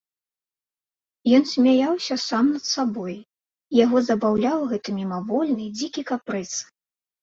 Ён смяяўся сам над сабой, яго забаўляў гэты мімавольны дзікі капрыз.